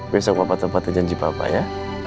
besok papa tempatin janji papa ya